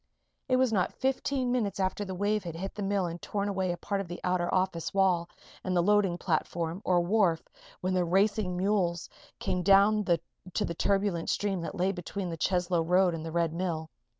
It was not fifteen minutes after the wave had hit the mill and torn away a part of the outer office wall and the loading platform, or wharf, when the racing mules came down to the turbulent stream that lay between the Cheslow road and the Red Mill.